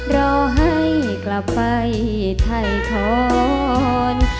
รอให้กลับไปถ่ายทอน